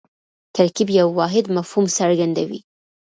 ترکیب یو واحد مفهوم څرګندوي.